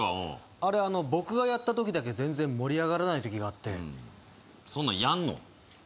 あれ僕がやったときだけ全然盛り上がらないときがあってそんなんやんの？